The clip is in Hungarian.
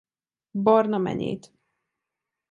Barna menyét.